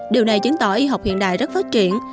điều này chứng tỏ y học hiện đại rất phát triển